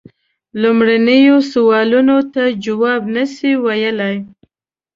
لومړنیو سوالونو ته جواب نه سي ویلای.